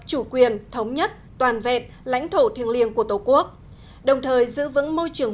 chủ quyền thống nhất toàn vẹn lãnh thổ thiêng liêng của tổ quốc đồng thời giữ vững môi trường